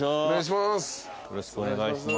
お願いします。